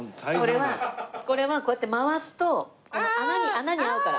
これはこうやって回すと穴に合うから。